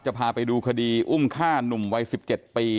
พาไปดูคดีอุ้มฆ่านุ่มวัย๑๗ปี